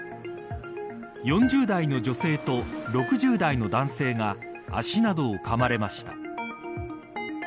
４０代の女性と６０代の男性が足などをかまれました。